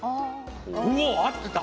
おお合ってた！？